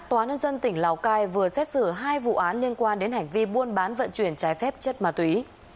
tòa nhân dân tỉnh lào cai vừa xét xử hai vụ án liên quan đến hành vi buôn bán vận chuyển trái phép chất ma túy